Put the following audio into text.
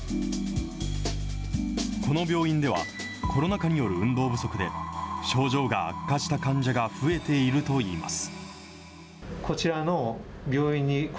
この病院では、コロナ禍による運動不足で、症状が悪化した患者が増えているといいます。